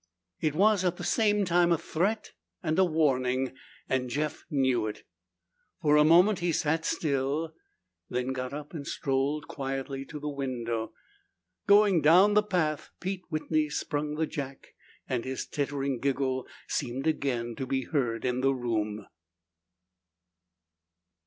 It was at the same time a threat and a warning and Jeff knew it. For a moment he sat still, then got up and strolled quietly to the window. Going down the path, Pete Whitney sprung the jack and his tittering giggle seemed again to be heard in the room.